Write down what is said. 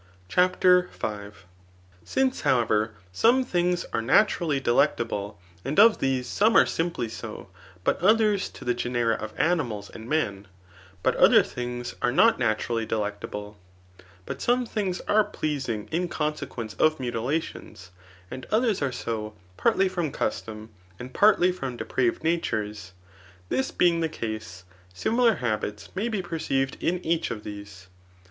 CHAPTER V. Since, however, some things are naturally delectable^ and of these some are simply so, bat others to the ge liera of animals and men ; but other things are not na^ turally delectable, but some things are pleasing in con« sequence of mutilations, and others are so partly front custom, and partly from deprared natures — this being the case, similar habits may be perceived in each of these.